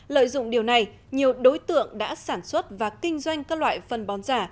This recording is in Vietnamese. lợi dụng điều này nhiều đối tượng đã sản xuất và kinh doanh các loại phân bón giả